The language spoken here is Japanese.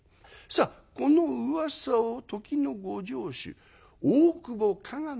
さあこのうわさを時のご城主大久保加賀